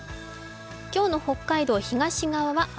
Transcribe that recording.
今日の北海道、東側は雨。